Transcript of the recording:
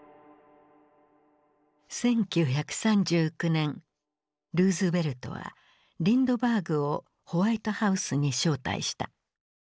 １９３９年ルーズベルトはリンドバーグをホワイトハウスに招待した。